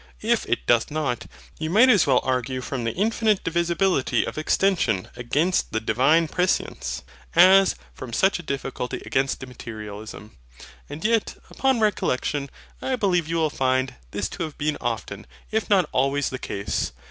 If it doth not, you might as well argue from the infinite divisibility of extension against the Divine prescience, as from such a difficulty against IMMATERIALISM. And yet, upon recollection, I believe you will find this to have been often, if not always, the case.